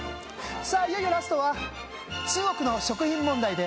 さあいよいよラストは中国の食品問題で。